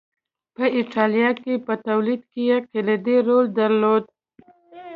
په اېټالیا کې په تولید کې یې کلیدي رول درلود